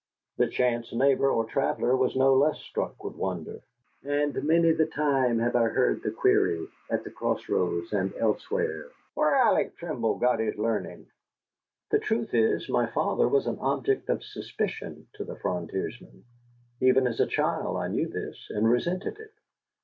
The chance neighbor or traveller was no less struck with wonder. And many the time have I heard the query, at the Cross Roads and elsewhere, "Whar Alec Trimble got his larnin'?" The truth is, my father was an object of suspicion to the frontiersmen. Even as a child I knew this, and resented it.